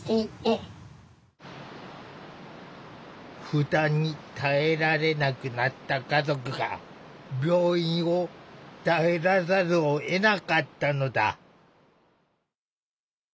負担に耐えられなくなった家族が病院を頼らざるをえなかったのだ。